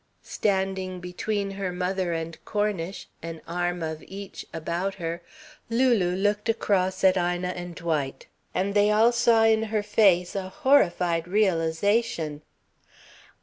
Standing between her mother and Cornish, an arm of each about her, Lulu looked across at Ina and Dwight, and they all saw in her face a horrified realisation.